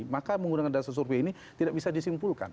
maka menggunakan data survei ini tidak bisa disimpulkan